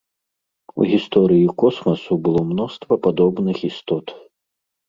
У гісторыі космасу было мноства падобных істот.